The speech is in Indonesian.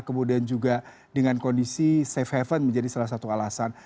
kemudian juga dengan kondisi safe haven menjadi salah satu alasan